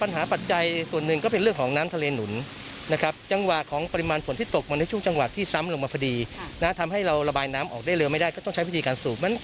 แต่น้ำมันดึงมาไม่ทัน